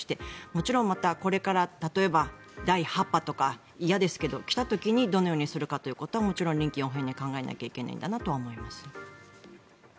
もちろんまたこれから例えば第８波とか、嫌ですけど来た時にどのようにするかということも臨機応変に考えなきゃいけないんだなとは思います。